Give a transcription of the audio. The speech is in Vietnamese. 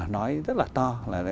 nói rất là to